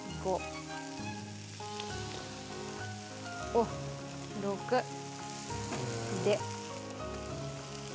おっ６。で。